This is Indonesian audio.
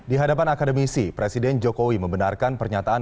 di hadapan akademisi presiden jokowi membenarkan pernyataan